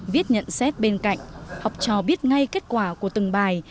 viết nhận xét bên cạnh học trò biết ngay kết quả của từng bài